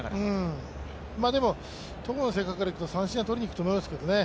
でも、戸郷の性格からいうと三振はとりにいくと思いますけどね。